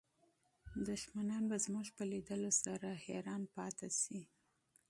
دښمنان به زموږ په لیدلو سره حیران پاتې شي.